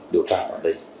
điều trả vào đây